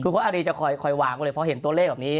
คืออันนี้จะคอยวางเลยเพราะเห็นตัวเลขแบบนี้